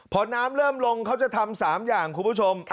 พอน้ำเริ่มลงเขาจะทำ๓อย่างคุณผู้ชม